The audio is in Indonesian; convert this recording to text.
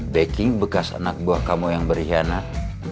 baking bekas anak buah kamu yang berkhianat